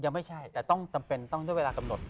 ไม่ใช่แต่ต้องจำเป็นต้องด้วยเวลากำหนด